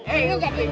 ini gara gara ini